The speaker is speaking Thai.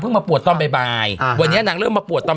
เพิ่งมาปวดตอนบ่ายบ่ายอ่าวันเนี้ยนางเริ่มมาปวดตอน